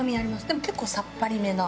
でも結構さっぱりめな。